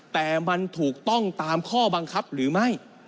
แต่มันถูกต้องตามข้อบังคับหรือไม่